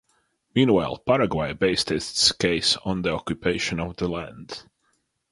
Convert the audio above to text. Meanwhile, Paraguay based its case on the occupation of the land.